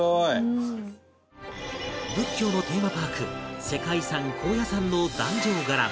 仏教のテーマパーク世界遺産高野山の壇上伽藍